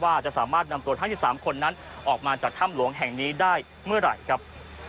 ว่าจะสามารถนำตัวทั้ง๑๓คนนั้นออกมาจากถ้ำหลวงแห่งนี้ได้เมื่อไหร่ครับ